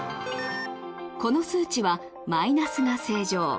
この数値はマイナスが正常。